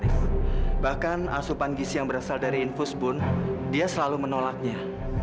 sampai jumpa di video selanjutnya